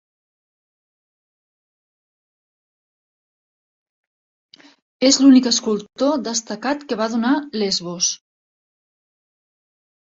És l'únic escultor destacat que va donar Lesbos.